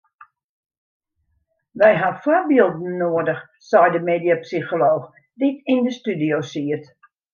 We ha foarbylden noadich sei de mediapsycholooch dy't yn de studio siet.